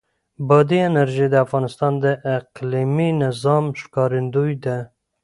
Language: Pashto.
بادي انرژي د افغانستان د اقلیمي نظام ښکارندوی ده.